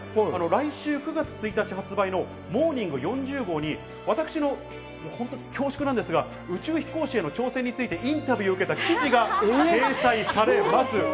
来週９月１日発売の『モーニング』４０号に私の、恐縮なんですが、宇宙飛行士への挑戦についてインタビューを受けた記事が掲載されます。